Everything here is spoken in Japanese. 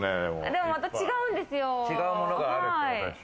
でもまた違うんですよ。